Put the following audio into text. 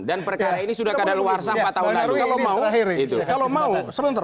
dan perkara ini sudah kedah dalo warsa empat tahun lalu